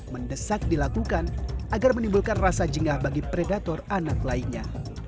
mendesak dilakukan agar menimbulkan rasa jengah bagi predator anak lainnya